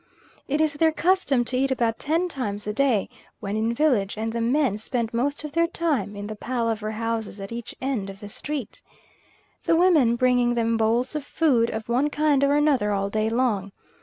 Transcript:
It is their custom to eat about ten times a day when in village, and the men spend most of their time in the palaver houses at each end of the street, the women bringing them bowls of food of one kind or another all day long.